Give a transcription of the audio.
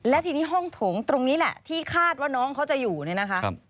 และทีนี้ห้องโถงตรงนี้แหละที่คาดว่าน้องเขาจะอยู่เนี่ยนะคะ